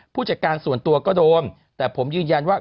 ผู้จัดการส่วนตัวก็โดนแต่ผมยืนยันว่า